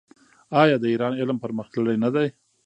آیا د ایران علم پرمختللی نه دی؟